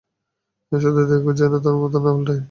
শুধু দেখো সে যেনো তার মত না পাল্টায়।